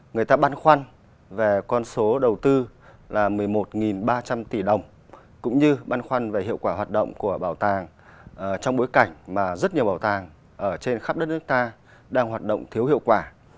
người ta băn khoăn về con số đầu tư là một mươi một ba trăm linh tỷ đồng cũng như băn khoăn về hiệu quả hoạt động của bảo tàng trong bối cảnh mà rất nhiều bảo tàng ở trên khắp đất nước ta đang hoạt động thiếu hiệu quả